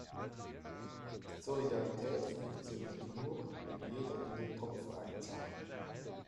Solidarität funktioniert nur, wenn jeder in den Topf einzahlt.